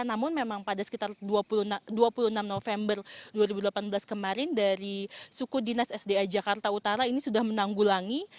namun memang pada sekitar dua puluh enam november dua ribu delapan belas kemarin dari suku dinas sda jakarta utara ini sudah menanggulangi